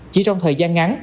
chỉ trong thời gian ngắn